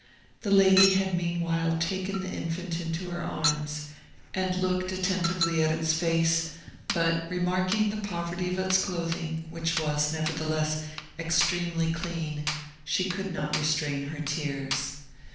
The lady had meanwhile taken the infant into her arms, and looked attentively at its face, but remarking the poverty of its clothing, which was, nevertheless, extremely clean, she could not restrain her tears.